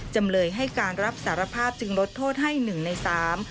จำเลยให้การรับสารภาพจึงลดโทษให้หนึ่งในสาม